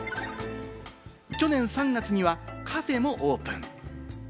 去年３月にはカフェもオープン。